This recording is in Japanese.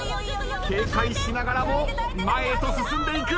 警戒しながらも前へと進んでいく。